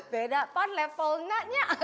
beda kan levelnya